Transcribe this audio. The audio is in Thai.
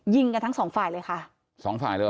กันทั้งสองฝ่ายเลยค่ะสองฝ่ายเลยเห